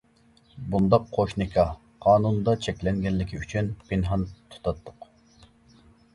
بۇنداق قوش نىكاھ، قانۇندا چەكلەنگەنلىكى ئۈچۈن پىنھان تۇتاتتۇق.